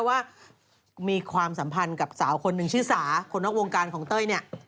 ว่ามีความสัมพันธ์กับสาวคนหนึ่งชื่อสาคนนอกวงการของเต้ยเนี่ย